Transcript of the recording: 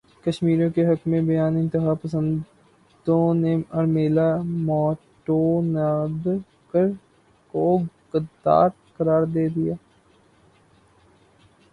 کشمیریوں کے حق میں بیان انتہا پسندوں نے ارمیلا ماٹونڈکر کو غدار قرار دے دیا